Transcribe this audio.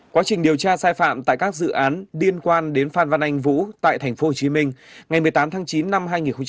quá trình điều tra sai phạm tại các dự án liên quan đến phan văn anh vũ tại tp hcm ngày một mươi tám tháng chín năm hai nghìn một mươi chín